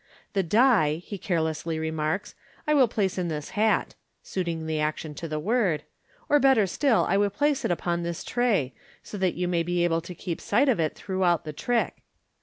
"The die," he carelessly remarks, " I will place in this hat " (suiting the action to the word) ; "or, better still, I will place it upon this tray, so that you may be able to keep sight of it throughout the trick."